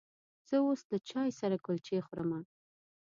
زه اوس له چای سره کلچې خورمه.